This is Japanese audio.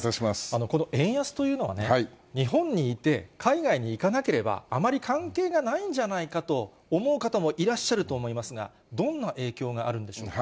この円安というのはね、日本にいて海外に行かなければあまり関係がないんじゃないかと思う方もいらっしゃると思いますが、どんな影響があるんでしょうか。